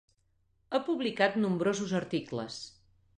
Ha publicat nombrosos articles.